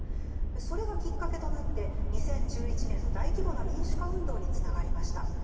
それがきっかけとなって２０１１年の大規模な民主化運動につながりました。